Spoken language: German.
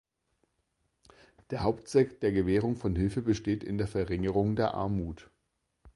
Der Hauptzweck der Gewährung von Hilfe besteht in der Verringerung der Armut.